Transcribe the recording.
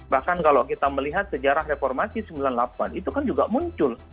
bahkan kalau kita melihat sejarah reformasi sembilan puluh delapan itu kan juga muncul